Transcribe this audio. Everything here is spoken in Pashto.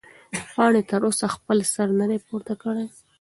پاڼې تر اوسه خپل سر نه دی پورته کړی.